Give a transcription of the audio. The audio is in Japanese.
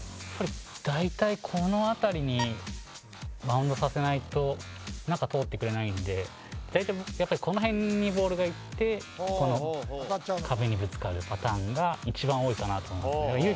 大体この辺りにバウンドさせないと中通ってくれないんでやっぱりこの辺にボールがいってこの壁にぶつかるパターンが一番多いかなと思います